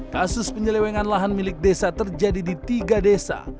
kasus penyelewengan lahan milik desa terjadi di tiga desa